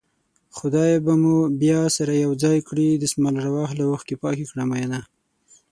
خدای به مو بيا سره يو ځای کړي دسمال راواخله اوښکې پاکې کړه مينه